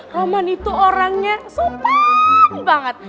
roman itu orangnya sopan banget